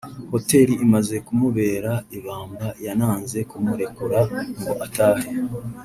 Hoteli imaze kumubera ibamba yananze kumurekura ngo atahe